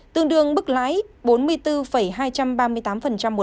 tương đương mức lãi bốn mươi bốn hai trăm ba mươi tám một năm